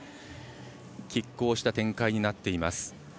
きっ抗した展開になっています。